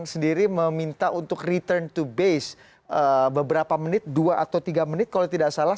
sendiri meminta untuk return to base beberapa menit dua atau tiga menit kalau tidak salah